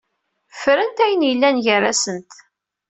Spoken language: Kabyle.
Ffrent ayen yellan gar-asent.